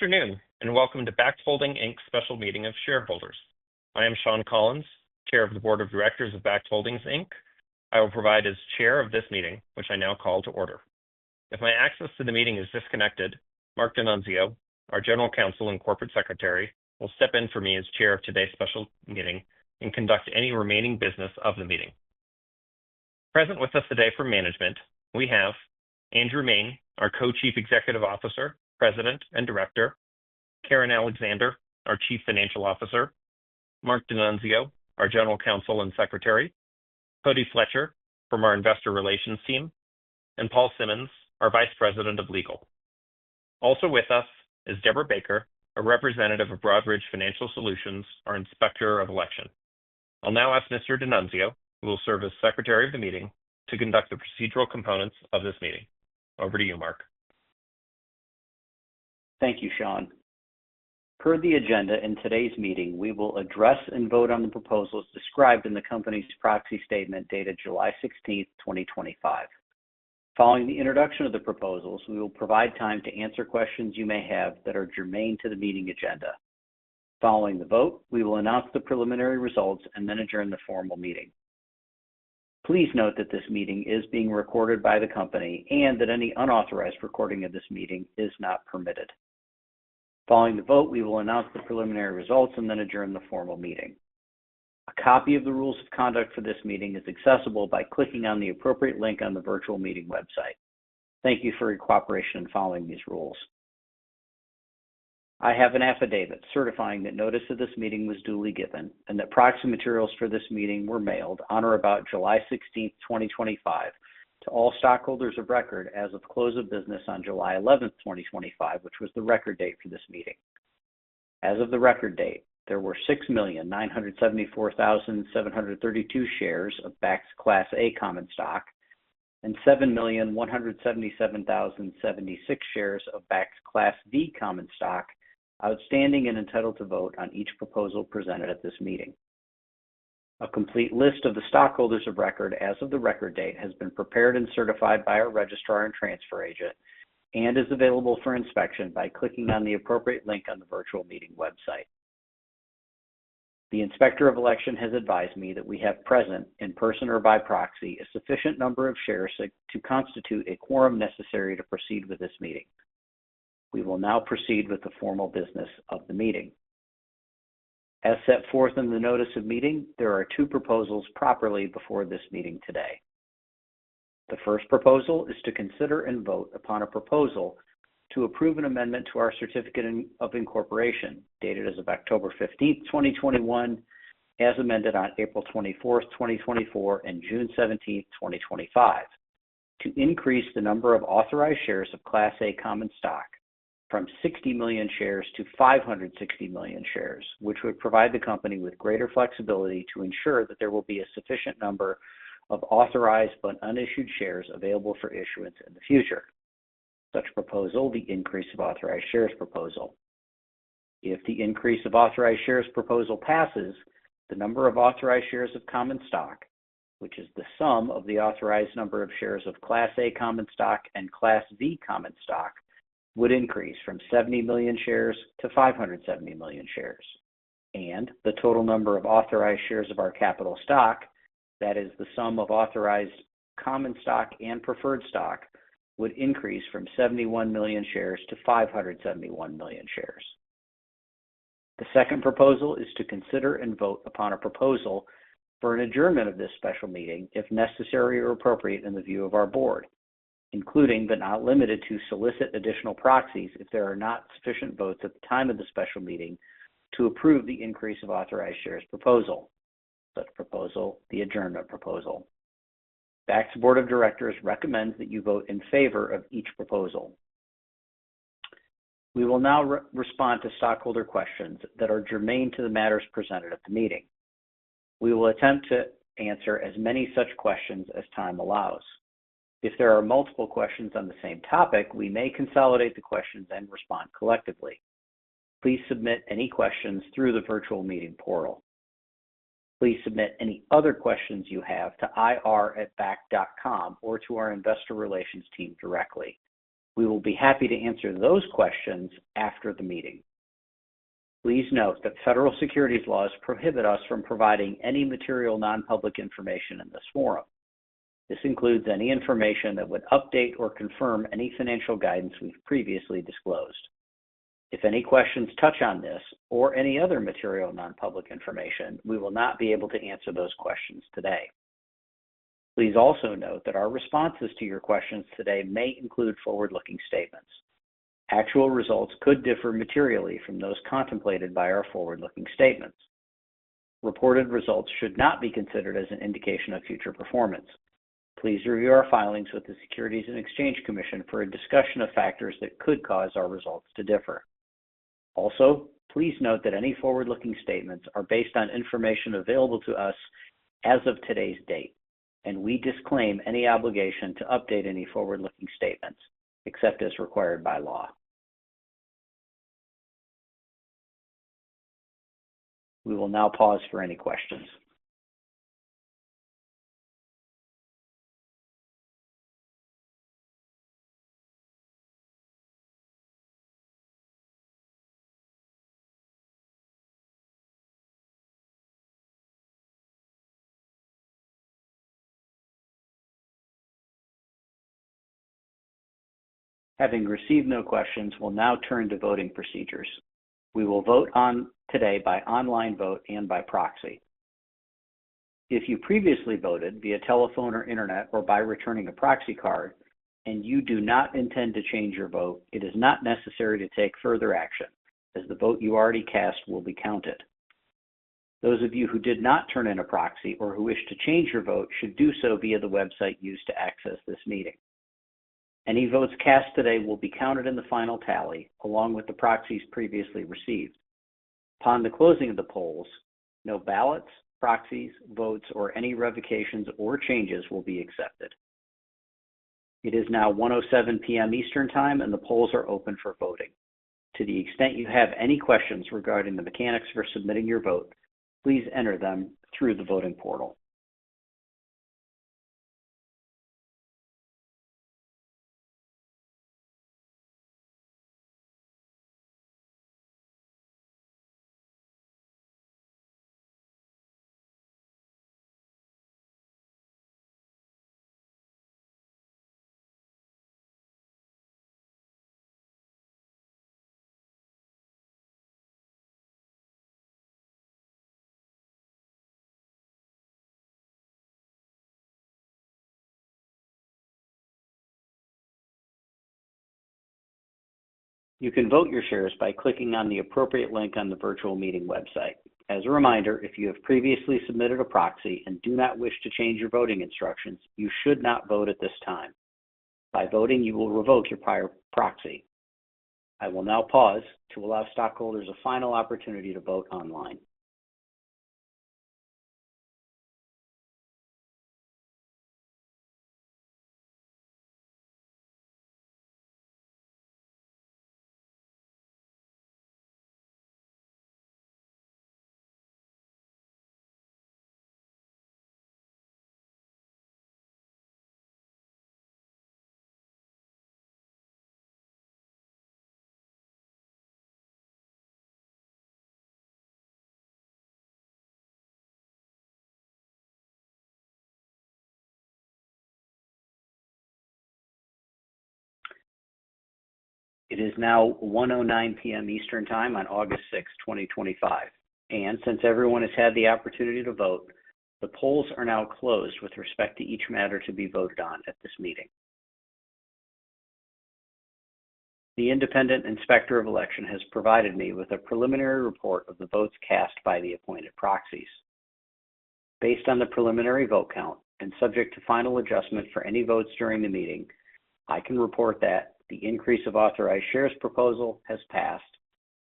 Afternoon and welcome to Bakkt Holdings, Inc.'s special meeting of shareholders. I am Sean Collins, Chair of the Board of Directors of Bakkt Holdings, Inc. I will provide as Chair of this meeting, which I now call to order. If my access to the meeting is disconnected, Marc D’Annunzio, our General Counsel and Corporate Secretary, will step in for me as Chair of today's special meeting and conduct any remaining business of the meeting. Present with us today from management, we have: Andy Main, our Co-Chief Executive Officer, President and Director; Karen Alexander, our Chief Financial Officer; Marc D’Annunzio, our General Counsel and Secretary; Cody Fletcher from our Investor Relations Team; and Paul Simmons, our Vice President of Legal. Also with us is Deborah Baker, a representative of Broadridge Financial Solutions, our Inspector of Elections. I'll now ask Mr. D’Annunzio, who will serve as Secretary of the meeting, to conduct the procedural components of this meeting. Over to you, Marc. Thank you, Sean. Per the agenda in today's meeting, we will address and vote on the proposals described in the company's proxy statement dated July 16, 2025. Following the introduction of the proposals, we will provide time to answer questions you may have that are germane to the meeting agenda. Following the vote, we will announce the preliminary results and then adjourn the formal meeting. Please note that this meeting is being recorded by the company and that any unauthorized recording of this meeting is not permitted. Following the vote, we will announce the preliminary results and then adjourn the formal meeting. A copy of the rules of conduct for this meeting is accessible by clicking on the appropriate link on the virtual meeting website. Thank you for your cooperation in following these rules. I have an affidavit certifying that notice of this meeting was duly given and that proxy materials for this meeting were mailed on or about July 16, 2025, to all stockholders of record as of close of business on July 11, 2025, which was the record date for this meeting. As of the record date, there were 6,974,732 shares of Bakkt's Class A common stock and 7,177,076 shares of Bakkt's Class B common stock, outstanding and entitled to vote on each proposal presented at this meeting. A complete list of the stockholders of record as of the record date has been prepared and certified by our Registrar and Transfer Agent and is available for inspection by clicking on the appropriate link on the virtual meeting website. The Inspector of Elections has advised me that we have present, in person or by proxy, a sufficient number of shares to constitute a quorum necessary to proceed with this meeting. We will now proceed with the formal business of the meeting. As set forth in the notice of meeting, there are two proposals properly before this meeting today. The first proposal is to consider and vote upon a proposal to approve an amendment to our Certificate of Incorporation, dated as of October 15, 2021, as amended on April 24, 2024, and June 17, 2025, to increase the number of authorized shares of Class A common stock from 60 million shares to 560 million shares, which would provide the company with greater flexibility to ensure that there will be a sufficient number of authorized but unissued shares available for issuance in the future. Such proposal: the increase of authorized shares proposal. If the increase of authorized shares proposal passes, the number of authorized shares of common stock, which is the sum of the authorized number of shares of Class A common stock and Class B common stock, would increase from 70 million shares-570 million shares, and the total number of authorized shares of our capital stock, that is the sum of authorized common stock and preferred stock, would increase from 71 million shares 571 million shares. The second proposal is to consider and vote upon a proposal for an adjournment of this special meeting, if necessary or appropriate in the view of our Board, including, but not limited to, solicit additional proxies if there are not sufficient votes at the time of the special meeting to approve the increase of authorized shares proposal. Such proposal: the adjournment proposal. Bakkt's Board of Directors recommends that you vote in favor of each proposal. We will now respond to stockholder questions that are germane to the matters presented at the meeting. We will attempt to answer as many such questions as time allows. If there are multiple questions on the same topic, we may consolidate the questions and respond collectively. Please submit any questions through the virtual meeting portal. Please submit any other questions you have to ir@bakkt.com or to our Investor Relations Team directly. We will be happy to answer those questions after the meeting. Please note that federal securities laws prohibit us from providing any material non-public information in this forum. This includes any information that would update or confirm any financial guidance we've previously disclosed. If any questions touch on this or any other material non-public information, we will not be able to answer those questions today. Please also note that our responses to your questions today may include forward-looking statements. Actual results could differ materially from those contemplated by our forward-looking statements. Reported results should not be considered as an indication of future performance. Please review our filings with the Securities and Exchange Commission for a discussion of factors that could cause our results to differ. Also, please note that any forward-looking statements are based on information available to us as of today's date, and we disclaim any obligation to update any forward-looking statements except as required by law. We will now pause for any questions. Having received no questions, we'll now turn to voting procedures. We will vote today by online vote and by proxy. If you previously voted via telephone or internet or by returning a proxy card and you do not intend to change your vote, it is not necessary to take further action, as the vote you already cast will be counted. Those of you who did not turn in a proxy or who wish to change your vote should do so via the website used to access this meeting. Any votes cast today will be counted in the final tally, along with the proxies previously received. Upon the closing of the polls, no ballots, proxies, votes, or any revocations or changes will be accepted. It is now 1:07 P.M. Eastern Time, and the polls are open for voting. To the extent you have any questions regarding the mechanics for submitting your vote, please enter them through the voting portal. You can vote your shares by clicking on the appropriate link on the virtual meeting website. As a reminder, if you have previously submitted a proxy and do not wish to change your voting instructions, you should not vote at this time. By voting, you will revoke your prior proxy. I will now pause to allow stockholders a final opportunity to vote online. It is now 1:09 P.M. Eastern Time on August 6, 2025, and since everyone has had the opportunity to vote, the polls are now closed with respect to each matter to be voted on at this meeting. The Independent Inspector of Elections has provided me with a preliminary report of the votes cast by the appointed proxies. Based on the preliminary vote count and subject to final adjustment for any votes during the meeting, I can report that the increase of authorized shares proposal has passed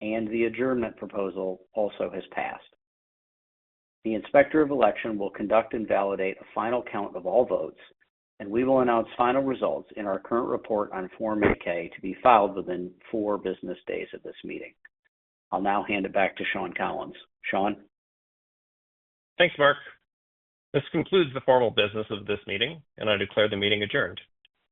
and the adjournment proposal also has passed. The Inspector of Elections will conduct and validate a final count of all votes, and we will announce final results in our current report on Form 8-K to be filed within four business days of this meeting. I'll now hand it back to Sean Collins. Sean? Thanks, Marc. This concludes the formal business of this meeting, and I declare the meeting adjourned.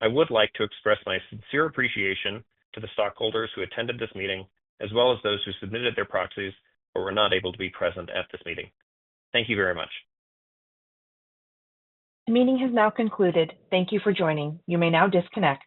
I would like to express my sincere appreciation to the stockholders who attended this meeting, as well as those who submitted their proxies but were not able to be present at this meeting. Thank you very much. The meeting has now concluded. Thank you for joining. You may now disconnect.